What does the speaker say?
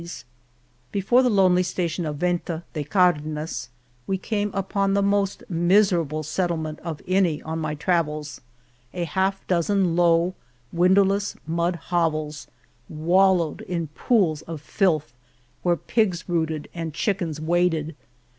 Venta de Cardenas Before the lonely station of Venta de Cardenas we came upon the most miserable settlement of any on my travels. A half dozen low, windowless, mud hovels, wallowed in pools of filth where pigs rooted and chick ens waded.